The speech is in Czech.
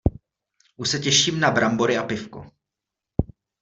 Už se těším na brambory a pivko.